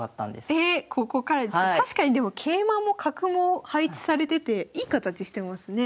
確かにでも桂馬も角も配置されてていい形してますね。